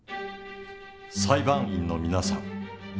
裁判員の皆さん